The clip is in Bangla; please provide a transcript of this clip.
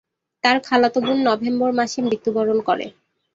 তার খালাতো বোন নভেম্বর মাসে মৃত্যুবরণ করে।